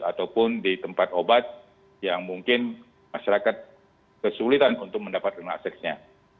ataupun di tempat obat yang mungkin masyarakat kesulitan untuk mendapatkan aksesnya